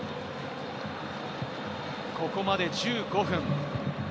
ここまで１５分。